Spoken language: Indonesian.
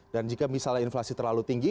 dan jika misalnya inflasi terlalu tinggi